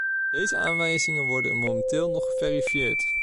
Deze aanwijzingen worden momenteel nog geverifieerd.